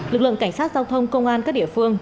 lực lượng cảnh sát giao thông công an các địa phương